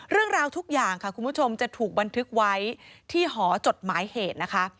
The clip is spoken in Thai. เรื่องราวทุกอย่างค่ะคุณผู้ชมจะถูกบันทึกไว้ที่หอจดหมายเหตุนะคะ